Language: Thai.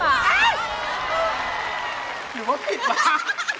หรือว่าผิดละ